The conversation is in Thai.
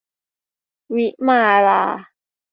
วิมาลา